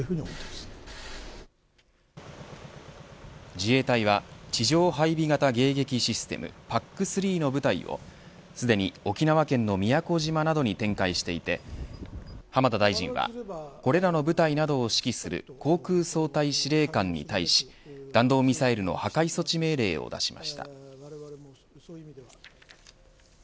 自衛隊は地上配備型迎撃システムＰＡＣ−３の部隊をすでに沖縄県の宮古島などに展開していて浜田大臣は、これらの部隊などを指揮する航空総隊司令官に対し弾道ミサイルの破壊措置命令を出しました。